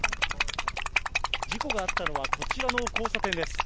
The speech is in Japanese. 事故があったのはこちらの交差点です。